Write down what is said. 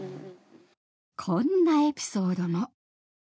こんなエピソードも。